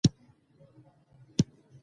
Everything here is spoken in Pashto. ځکه دا خلک هر ځائے د خپلې خلې